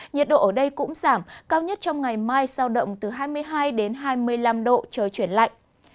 nhiệt độ ở đây cũng giảm cao nhất trong ngày mai sao động từ hai mươi hai đến hai mươi năm độ trời chuyển lạnh